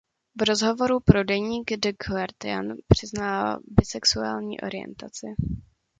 V rozhovoru pro deník The Guardian přiznala bisexuální orientaci.